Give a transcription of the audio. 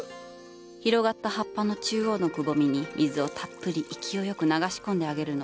広がった葉っぱの中央のくぼみに水をたっぷり勢いよく流し込んであげるの。